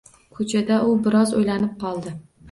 Ko`chada u biroz o`ylanib qoldi